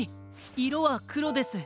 いろはくろです。